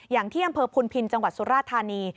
อย่างที่อำเภอพุนพินจังหวัดสุราธานี